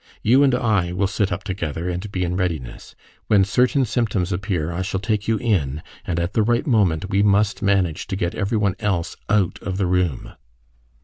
You and I will sit up together, and be in readiness. When certain symptoms appear I shall take you in, and at the right moment we must manage to get every one else out of the room."